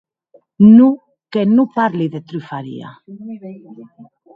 Non, que non parli de trufaria.